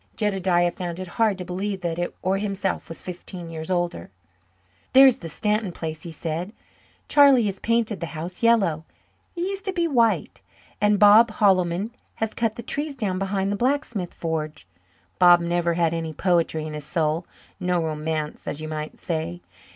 Jedediah found it hard to believe that it or himself was fifteen years older. "There's the Stanton place," he said. "Charlie has painted the house yellow it used to be white; and Bob Hollman has cut the trees down behind the blacksmith forge. Bob never had any poetry in his soul no romance, as you might say.